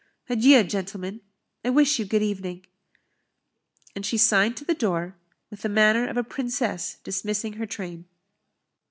Adieu, gentlemen, I wish you good evening." And she signed to the door, with the manner of a princess dismissing her train.